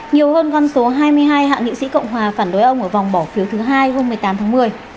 nhiều hơn con số hai mươi hai hạ nghị sĩ cộng hòa phản đối ông ở vòng bỏ phiếu thứ hai hôm một mươi tám tháng một mươi